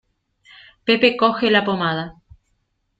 Pepe coge la pomada.